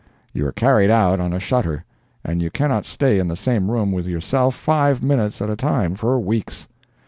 You are carried out on a shutter, and you cannot stay in the same room with yourself five minutes at a time for weeks.